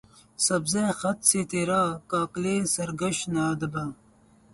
سبزہٴ خط سے ترا کاکلِ سرکش نہ دبا